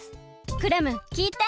クラムきいて！